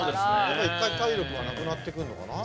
一回体力がなくなってくんのかな？